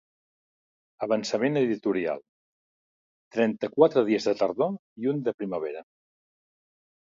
Avançament editorial: ’trenta-quatre dies de tardor i un de primavera.